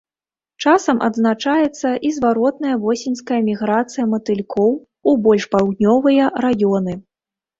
Часам адзначаецца і зваротная восеньская міграцыя матылькоў ў больш паўднёвыя раёны.